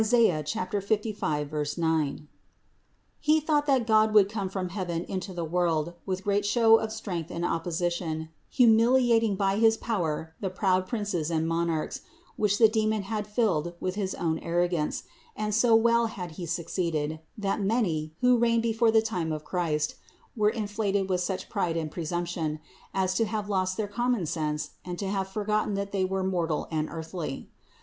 55, 9). He thought that God would come from heaven into the world with great show of strength and opposition, humil iating by his power the proud princes and monarchs, which the demon had filled with his own arrogance ; and so well had he succeeded, that many, who reigned before the time of Christ, were inflated with such pride and pre sumption, as to have lost their common sense and to have forgotten that they were mortal and earthly.